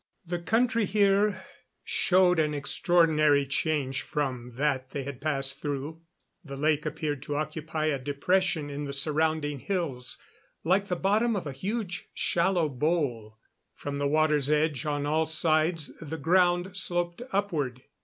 The country here showed an extraordinary change from that they had passed through. The lake appeared to occupy a depression in the surrounding hills, like the bottom of a huge, shallow bowl. From the water's edge on all sides the ground sloped upward.